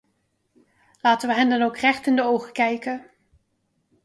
Laten we hen dan ook recht in de ogen kijken.